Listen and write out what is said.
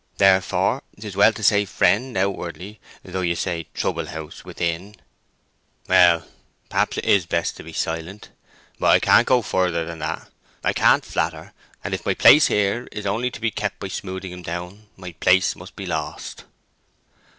Therefore 'tis well to say 'Friend' outwardly, though you say 'Troublehouse' within." "Well—perhaps it is best to be silent; but I can't go further than that. I can't flatter, and if my place here is only to be kept by smoothing him down, my place must be lost."